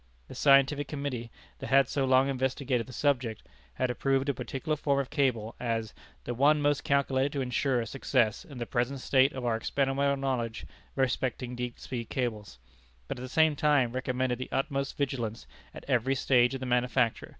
The Scientific Committee, that had so long investigated the subject, had approved a particular form of cable, as "the one most calculated to insure success in the present state of our experimental knowledge respecting deep sea cables," but at the same time recommended the utmost vigilance at every stage of the manufacture.